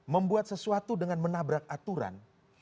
membuat sesuatu dengan menabrak aturan